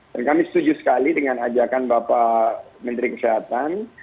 dan kami setuju sekali dengan ajakan bapak menteri kesehatan